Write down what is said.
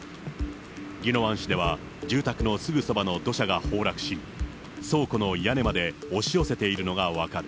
宜野湾市では住宅のすぐそばの土砂が崩落し、倉庫の屋根まで押し寄せているのが分かる。